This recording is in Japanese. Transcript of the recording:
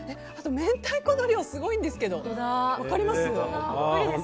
あと後明太子の量すごいんですけど分かります？